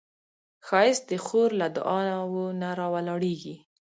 ښایست د خور له دعاوو نه راولاړیږي